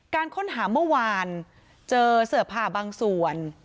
การค้นหาเมื่อวานเจอเสือผ่าบางส่วน